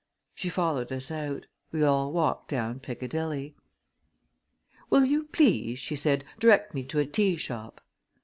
She followed us out. We all walked down Piccadilly. "Will you please," she said, "direct me to a tea shop?"